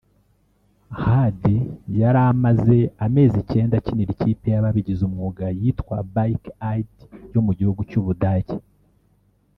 Hadi yari amaze amezi icyenda akinira ikipe y’ababigize umwuga yitwa Bike Aid yo mu gihugu cy’Ubudage